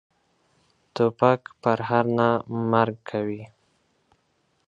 توپک پرهر نه، مرګ کوي.